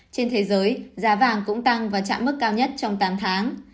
trên thế giới giá vàng cũng tăng và chạm mức cao nhất trong tám tháng